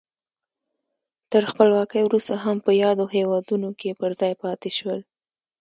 تر خپلواکۍ وروسته هم په یادو هېوادونو کې پر ځای پاتې شول.